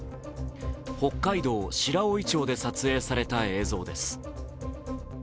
北海道白老町で撮影された映像です。